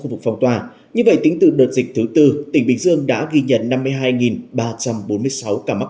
khu vực phong tỏa như vậy tính từ đợt dịch thứ tư tỉnh bình dương đã ghi nhận năm mươi hai ba trăm bốn mươi sáu ca mắc